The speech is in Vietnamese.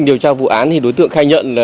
điều tra vụ án